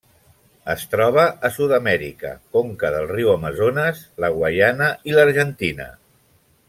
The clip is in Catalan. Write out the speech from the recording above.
Es troba a Sud-amèrica: conca del riu Amazones, la Guaiana i l'Argentina.